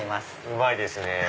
うまいですねぇ。